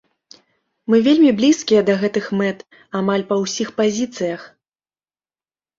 Мы вельмі блізкія да гэтых мэт, амаль па ўсіх пазіцыях.